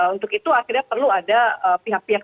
untuk itu akhirnya perlu ada pihak pihak